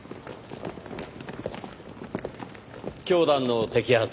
教団の摘発